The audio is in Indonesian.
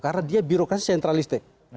karena dia birokrasi sentralistik